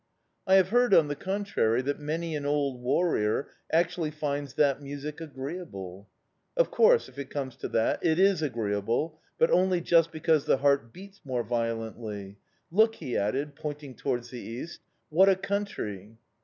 "I have heard, on the contrary, that many an old warrior actually finds that music agreeable." "Of course, if it comes to that, it is agreeable; but only just because the heart beats more violently. Look!" he added, pointing towards the east. "What a country!"